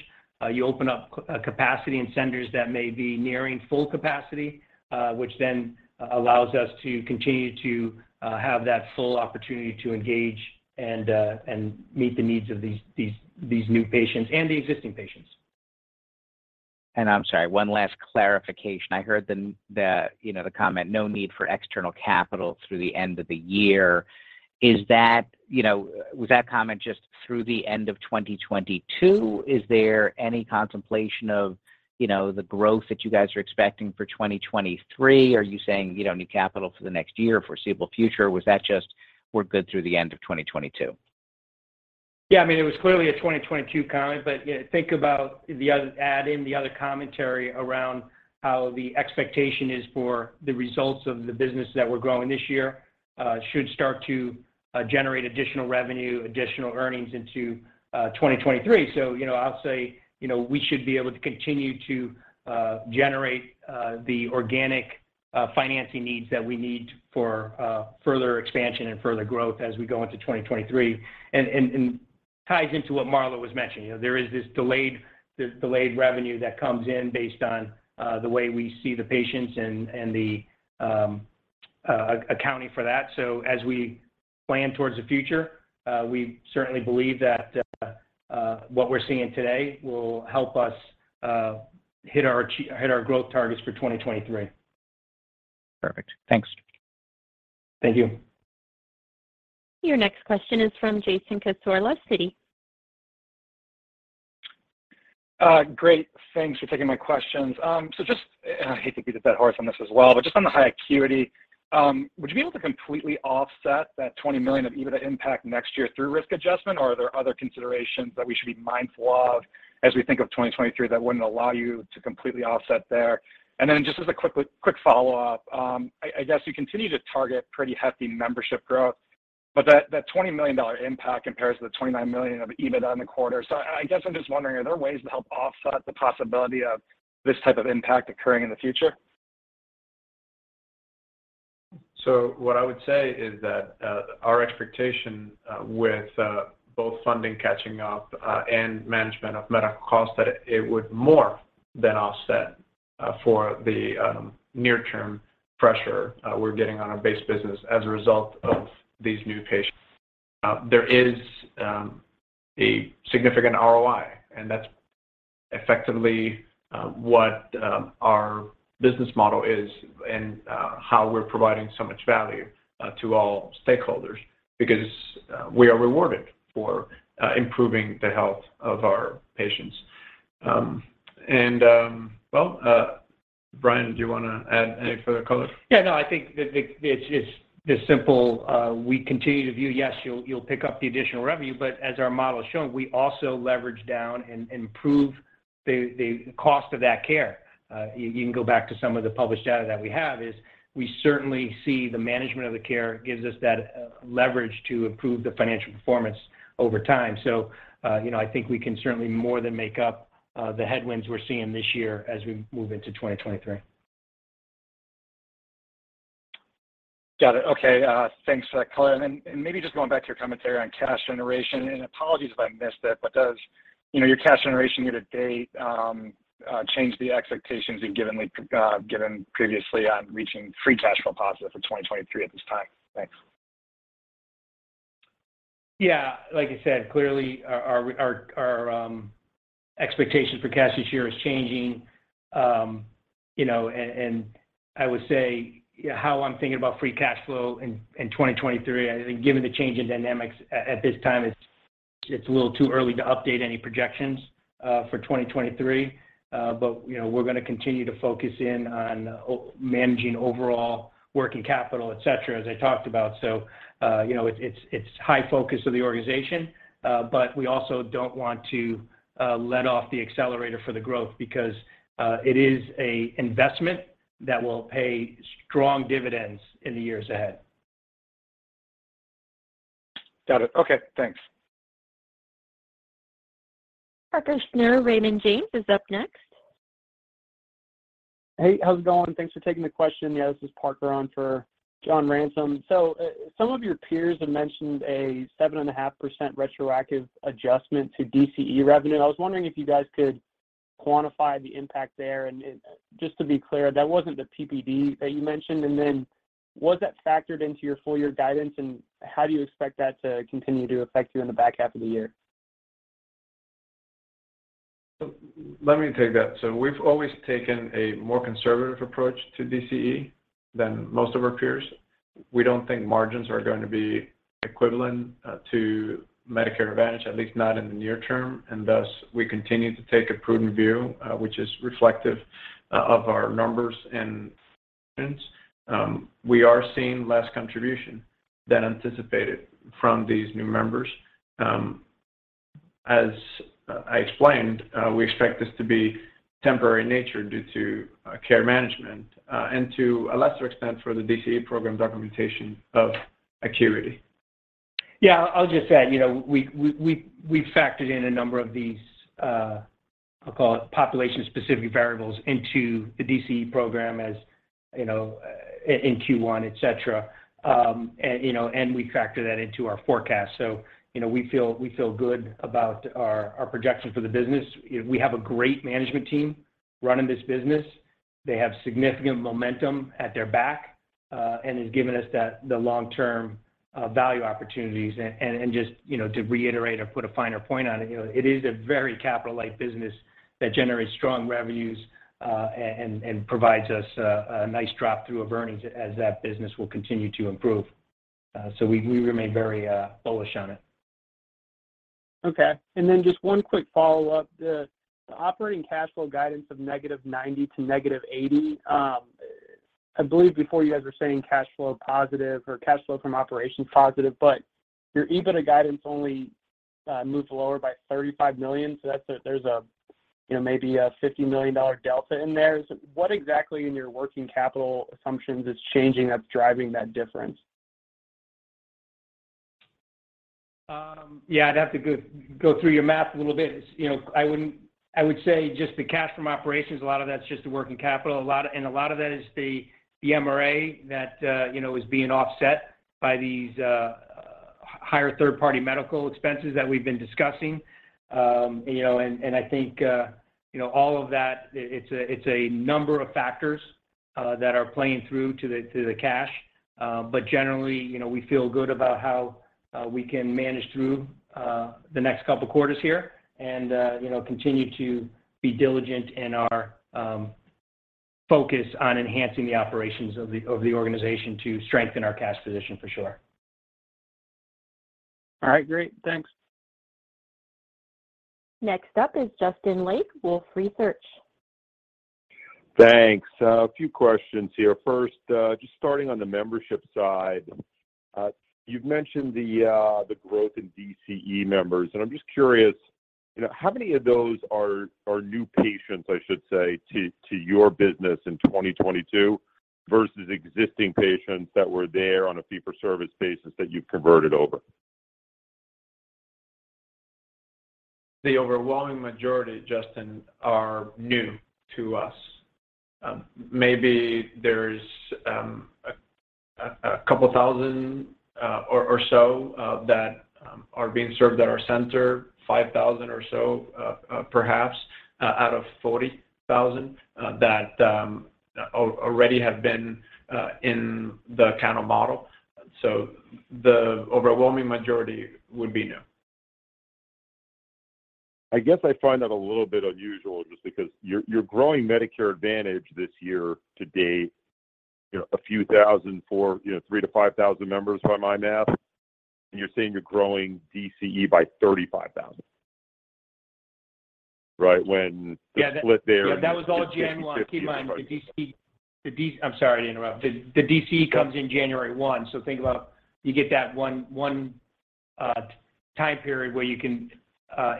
You open up capacity and centers that may be nearing full capacity, which then allows us to continue to have that full opportunity to engage and meet the needs of these new patients and the existing patients. I'm sorry, one last clarification. I heard the, you know, the comment, no need for external capital through the end of the year. Is that, you know? Was that comment just through the end of 2022? Is there any contemplation of, you know, the growth that you guys are expecting for 2023? Are you saying you don't need capital for the next year, foreseeable future? Was that just, we're good through the end of 2022? Yeah, I mean, it was clearly a 2022 comment, but, you know, think about, add in the other commentary around how the expectation is for the results of the business that we're growing this year, should start to generate additional revenue, additional earnings into 2023. You know, I'll say, you know, we should be able to continue to generate the organic financing needs that we need for further expansion and further growth as we go into 2023. Ties into what Marlow was mentioning. You know, there is this delayed revenue that comes in based on the way we see the patients and the accounting for that. As we plan towards the future, we certainly believe that what we're seeing today will help us hit our growth targets for 2023. Perfect. Thanks. Thank you. Your next question is from Jason Cassorla, Citi. Great. Thanks for taking my questions. Just, I hate to beat a dead horse on this as well, but just on the high acuity, would you be able to completely offset that $20 million of EBITDA impact next year through risk adjustment, or are there other considerations that we should be mindful of as we think of 2023 that wouldn't allow you to completely offset there? Just as a quick follow-up, I guess you continue to target pretty hefty membership growth, but that $20 million impact compares to the $29 million of EBITDA in the quarter. I guess I'm just wondering, are there ways to help offset the possibility of this type of impact occurring in the future? What I would say is that our expectation with both funding catching up and management of medical costs that it would more than offset for the near-term pressure we're getting on our base business as a result of these new patients. There is a significant ROI, and that's effectively what our business model is and how we're providing so much value to all stakeholders because we are rewarded for improving the health of our patients. Well, Brian, do you wanna add any further color? Yeah, no, I think that it's just this simple, we continue to view, yes, you'll pick up the additional revenue, but as our model's shown, we also leverage down and improve the cost of that care. You can go back to some of the published data that we have is we certainly see the management of the care gives us that leverage to improve the financial performance over time. You know, I think we can certainly more than make up the headwinds we're seeing this year as we move into 2023. Got it. Okay. Thanks for that color. Maybe just going back to your commentary on cash generation, apologies if I missed it, but does, you know, your cash generation year-to-date change the expectations you've given like given previously on reaching free cash flow positive for 2023 at this time? Thanks. Yeah. Like I said, clearly our expectations for cash this year is changing. You know, I would say how I'm thinking about free cash flow in 2023, I think given the change in dynamics at this time, it's a little too early to update any projections for 2023. You know, we're gonna continue to focus on managing overall working capital, et cetera, as I talked about. You know, it's high focus of the organization, but we also don't want to let off the accelerator for the growth because it is a investment that will pay strong dividends in the years ahead. Got it. Okay, thanks. Parker Snure, Raymond James is up next. Hey, how's it going? Thanks for taking the question. Yeah, this is Parker on for John Ransom. Some of your peers have mentioned a 7.5% retroactive adjustment to DCE revenue. I was wondering if you guys could quantify the impact there. Just to be clear, that wasn't the PYD that you mentioned. Was that factored into your full year guidance, and how do you expect that to continue to affect you in the back half of the year? Let me take that. We've always taken a more conservative approach to DCE than most of our peers. We don't think margins are going to be equivalent to Medicare Advantage, at least not in the near term. Thus, we continue to take a prudent view, which is reflective of our numbers and trends. We are seeing less contribution than anticipated from these new members. As I explained, we expect this to be temporary in nature due to care management, and to a lesser extent for the DCE program documentation of acuity. Yeah, I'll just add, you know, we've factored in a number of these, I'll call it population specific variables into the DCE program, as you know, in Q1, et cetera. You know, we factor that into our forecast. You know, we feel good about our projections for the business. We have a great management team running this business. They have significant momentum at their back, and has given us that, the long-term value opportunities. Just, you know, to reiterate or put a finer point on it, you know, it is a very capital light business that generates strong revenues and provides us a nice drop through of earnings as that business will continue to improve. We remain very bullish on it. Okay. Just one quick follow-up. The operating cash flow guidance of -$90 million to -$80 million, I believe before you guys were saying cash flow positive or cash flow from operations positive, but your EBITDA guidance only moves lower by $35 million. So that's a, you know, maybe a $50 million delta in there. What exactly in your working capital assumptions is changing that's driving that difference? Yeah, I'd have to go through your math a little bit. You know, I would say just the cash from operations, a lot of that's just the working capital. A lot of that is the MRA that, you know, is being offset by these, higher third party medical expenses that we've been discussing. You know, and I think, you know, all of that, it's a, it's a number of factors, that are playing through to the cash. But generally, you know, we feel good about how, we can manage through, the next couple quarters here and, you know, continue to be diligent in our, focus on enhancing the operations of the organization to strengthen our cash position for sure. All right, great. Thanks. Next up is Justin Lake, Wolfe Research. Thanks. A few questions here. First, just starting on the membership side. You've mentioned the growth in DCE members, and I'm just curious, you know, how many of those are new patients, I should say, to your business in 2022 versus existing patients that were there on a fee for service basis that you've converted over? The overwhelming majority, Justin, are new to us. Maybe there's a couple thousand or so that are being served at our center, 5,000 or so perhaps out of 40,000 that already have been in the kind of model. The overwhelming majority would be new. I guess I find that a little bit unusual just because you're growing Medicare Advantage this year-to-date, you know, a few thousand for, you know, 3,000-5,000 members by my math, and you're saying you're growing DCE by 35,000. Right when the split there. Yeah, that was all January 1. Keep in mind, the DCE. I'm sorry to interrupt. The DCE comes in January 1, so think about you get that one time period where you can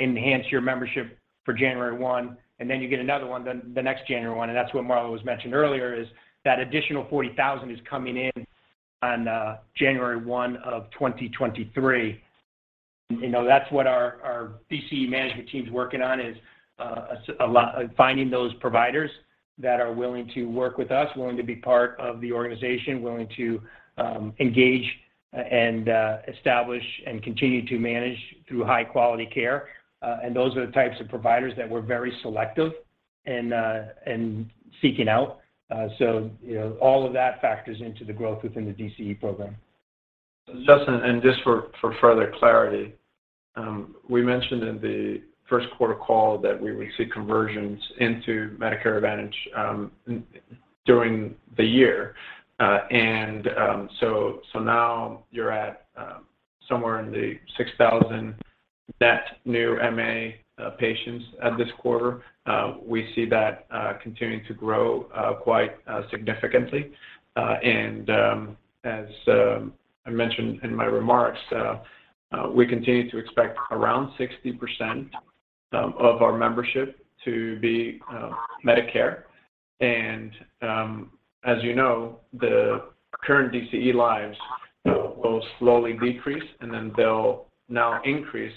enhance your membership for January 1, and then you get another one the next January 1. That's what Marlow was mentioning earlier, is that additional 40,000 is coming in on January 1 of 2023. You know, that's what our DCE management team's working on, is finding those providers that are willing to work with us, willing to be part of the organization, willing to engage and establish and continue to manage through high-quality care. Those are the types of providers that we're very selective in seeking out. You know, all of that factor into the growth within the DCE program. Justin, just for further clarity, we mentioned in the first quarter call that we would see conversions into Medicare Advantage during the year. Now you're at somewhere in the 6,000 net new MA patients at this quarter. We see that continuing to grow quite significantly. As I mentioned in my remarks, we continue to expect around 60% of our membership to be Medicare. As you know, the current DCE lives will slowly decrease, and then they'll now increase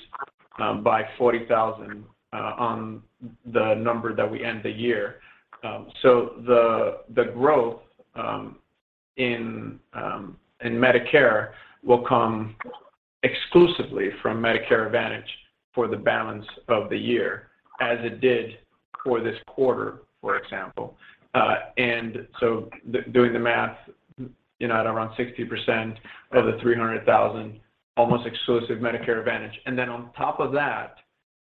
by 40,000 on the number that we end the year. The growth in Medicare will come exclusively from Medicare Advantage for the balance of the year, as it did for this quarter, for example. Doing the math, you know, at around 60% of the 300,000, almost exclusive Medicare Advantage. Then on top of that,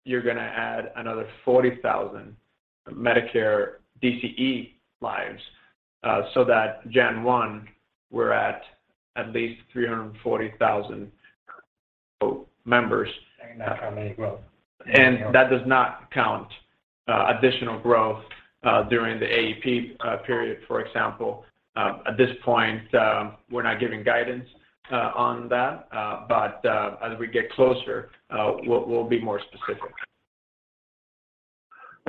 you're gonna add another 40,000 Medicare DCE lives, so that January 1 we're at least 340,000 members. That's how much growth in DCE. That does not count additional growth during the AEP period, for example. At this point, we're not giving guidance on that. As we get closer, we'll be more specific.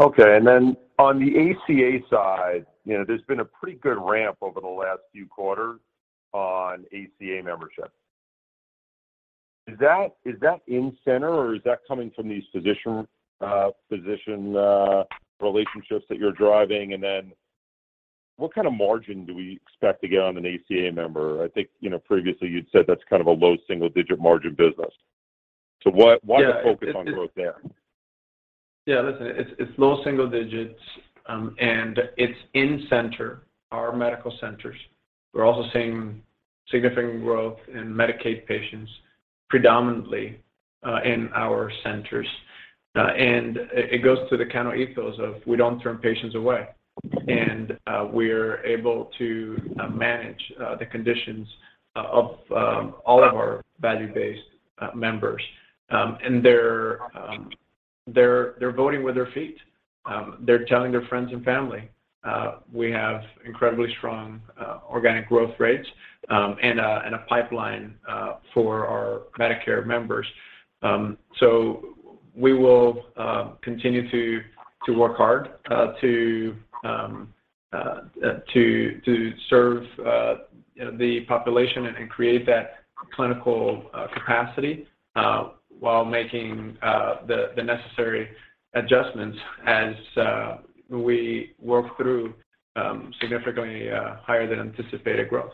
Okay. On the ACA side, you know, there's been a pretty good ramp over the last few quarters on ACA membership. Is that in-center, or is that coming from these physician relationships that you're driving? What kind of margin do we expect to get on an ACA member? I think, you know, previously you'd said that's kind of a low single-digit margin business. Why the focus on growth there? Yeah, listen, its low single digits, and it's in our centers. We're also seeing significant growth in Medicaid patients, predominantly in our centers. It goes to the kind of ethos of we don't turn patients away. We're able to manage the conditions of all of our value-based members. They're voting with their feet. They're telling their friends and family. We have incredibly strong organic growth rates, and a pipeline for our Medicare members. We will continue to work hard to serve you know the population and create that clinical capacity, while making the necessary adjustments as we work through significantly higher than anticipated growth.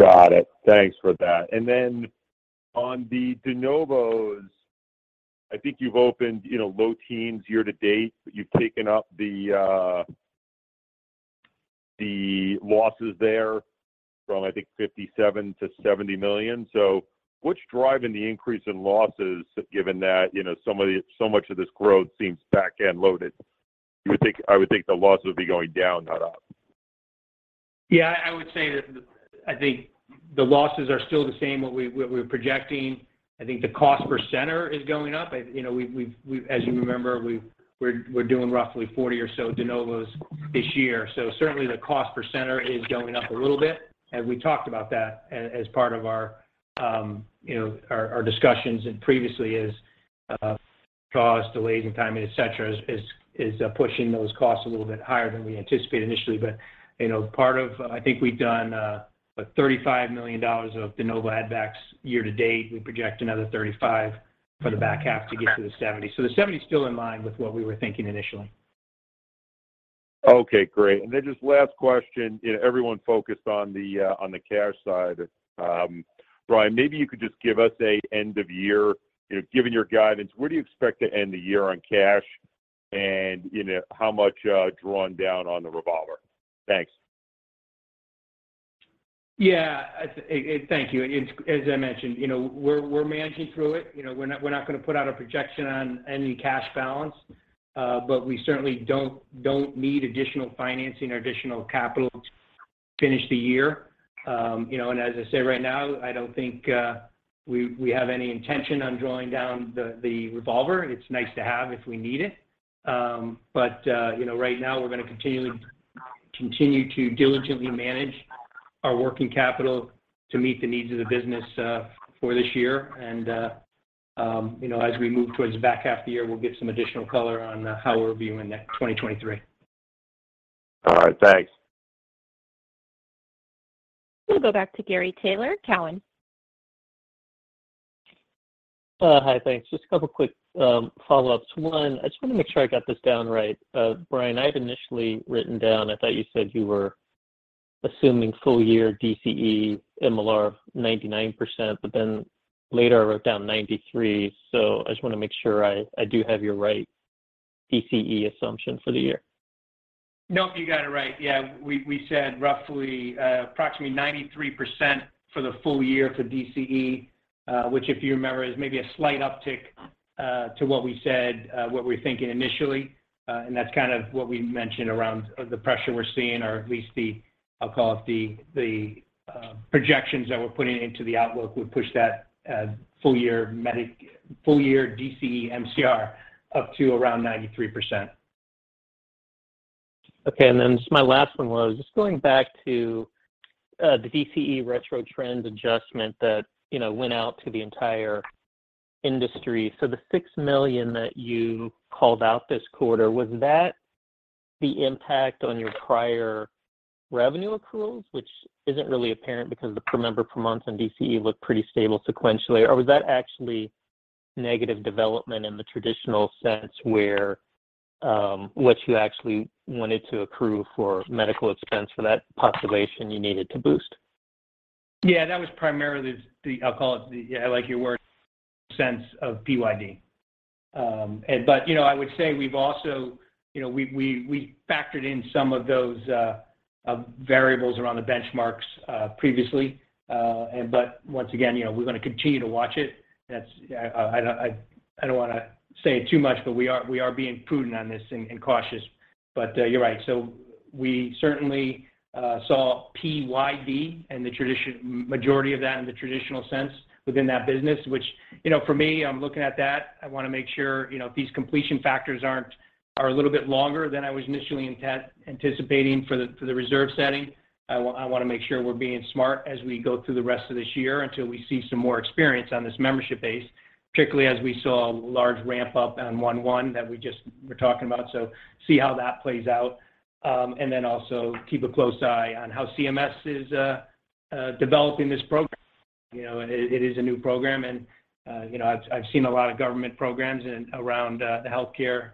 Got it. Thanks for that. Then on the de novos, I think you've opened, you know, low teens year-to-date, but you've taken up the losses there from I think $57 million-$70 million. What's driving the increase in losses given that, you know, so much of this growth seems back-end loaded? I would think the losses would be going down, not up. Yeah, I would say that I think the losses are still the same what we're projecting. I think the cost per center is going up. You know, as you remember, we're doing roughly $40 million or so de novos this year. So certainly, the cost per center is going up a little bit, and we talked about that as part of our, you know, our discussions and previously is cost delays in timing, et cetera, is pushing those costs a little bit higher than we anticipated initially. You know, part of, I think we've done what $35 million of de novo add backs year-to-date. We project another $35 million for the back half to get to the $70 million. So the $70 million still in line with what we were thinking initially. Okay, great. Just last question. You know, everyone focused on the cash side. Brian, maybe you could just give us an end of year, you know. Given your guidance, where do you expect to end the year on cash and, you know, how much drawn down on the revolver? Thanks. Yeah. Thank you. It's as I mentioned, you know, we're managing through it. You know, we're not gonna put out a projection on any cash balance. We certainly don't need additional financing or additional capital to finish the year. You know, as I said right now, I don't think we have any intention on drawing down the revolver. It's nice to have if we need it. You know, right now we're gonna continue to diligently manage our working capital to meet the needs of the business for this year. You know, as we move towards the back half of the year, we'll give some additional color on how we're viewing that 2023. All right. Thanks. We'll go back to Gary Taylor, Cowen. Hi. Thanks. Just a couple of quick follow-ups. One, I just wanna make sure I got this down right. Brian, I'd initially written down, I thought you said you were assuming full year DCE MLR 99%, but then later I wrote down 93%. So I just wanna make sure I do have your right DCE assumption for the year. Nope, you got it right. Yeah. We said roughly approximately 93% for the full year for DCE, which if you remember, is maybe a slight uptick to what we said what we're thinking initially. That's kind of what we mentioned around the pressure we're seeing or at least I'll call it the projections that we're putting into the outlook would push that full year DCE MCR up to around 93%. Okay. Just my last one was just going back to the DCE retro trends adjustment that, you know, went out to the entire industry. The $6 million that you called out this quarter, was that the impact on your prior revenue accruals, which isn't really apparent because the per member per month in DCE looked pretty stable sequentially? Or was that actually negative development in the traditional sense where what you actually wanted to accrue for medical expense for that population you needed to boost? Yeah, that was primarily the. I'll call it the. I like your word, sense of PYD. You know, I would say we've also, you know, we factored in some of those variables around the benchmarks previously. Once again, you know, we're gonna continue to watch it. That's, I don't wanna say it too much, but we are being prudent on this and cautious. You're right. We certainly saw PYD and the majority of that in the traditional sense within that business which, you know, for me, I'm looking at that. I wanna make sure, you know, these completion factors are a little bit longer than I was initially anticipating for the reserve setting. I wanna make sure we're being smart as we go through the rest of this year until we see some more experience on this membership base, particularly as we saw a large ramp up on Q1 that we just were talking about. See how that plays out. Also keep a close eye on how CMS is developing this program. You know, it is a new program, and you know, I've seen a lot of government programs around the healthcare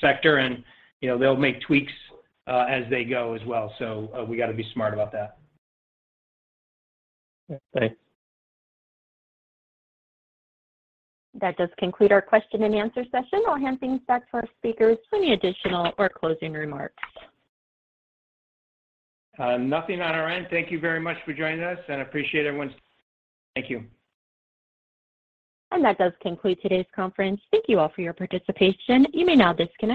sector and, you know, they'll make tweaks as they go as well. We gotta be smart about that. Thanks. That does conclude our question and answer session. I'll hand things back to our speakers for any additional or closing remarks. Nothing on our end. Thank you very much for joining us, and I appreciate everyone. Thank you. That does conclude today's conference. Thank you all for your participation. You may now disconnect.